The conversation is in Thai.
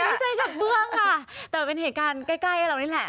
ไม่ใช่กระเบื้องค่ะแต่เป็นเหตุการณ์ใกล้กับเรานี่แหละ